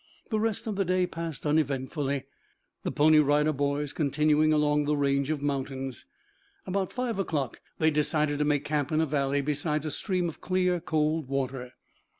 The rest of the day passed uneventfully, the Pony Rider Boys continuing along the range of mountains. About five o'clock they decided to make camp in a valley, beside a stream of clear, cold water.